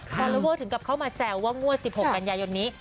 อลลอเวอร์ถึงกลับเข้ามาแซวว่างวด๑๖กันยายนนี้